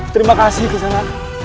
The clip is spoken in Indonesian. terima kasih kisana